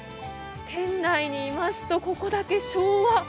店内にいますと、ここだけ昭和。